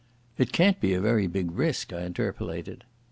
"It can't be a very big risk," I interpolated.